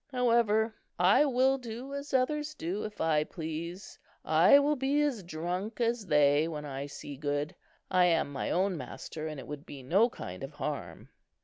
However, I will do as others do, if I please. I will be as drunk as they, when I see good. I am my own master, and it would be no kind of harm."